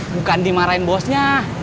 bukan dimarahin bosnya